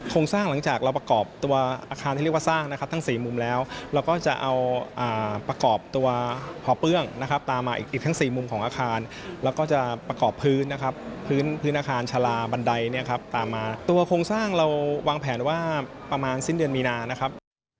สร้างหลังจากเราประกอบตัวอาคารที่เรียกว่าสร้างนะครับทั้งสี่มุมแล้วเราก็จะเอาประกอบตัวพอเปื้องนะครับตามมาอีกทั้งสี่มุมของอาคารแล้วก็จะประกอบพื้นนะครับพื้นพื้นอาคารชาลาบันไดเนี่ยครับตามมาตัวโครงสร้างเราวางแผนว่าประมาณสิ้นเดือนมีนานะครับ